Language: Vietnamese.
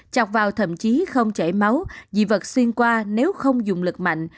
chọc vào thậm chí không chảy máu dị vật xuyên qua nếu không dùng lực mạnh